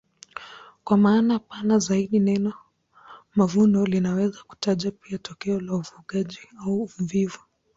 Kwa maana pana zaidi neno mavuno linaweza kutaja pia tokeo la ufugaji au uvuvi.